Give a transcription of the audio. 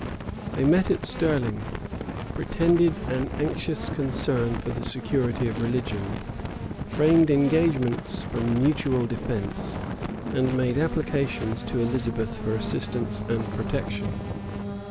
They met at Stirling; pretended an anxious concern for the security of religion; framed engagements for mutual defence; and made applications to Elizabeth for assistance and protection.